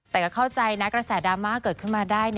แต่ก็เข้าใจนะกระแสดราม่าเกิดขึ้นมาได้